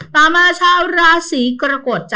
ต่อมาชาวราศีกรโกรธจ๊ะ